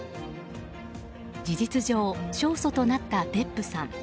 事実上、勝訴となったデップさん。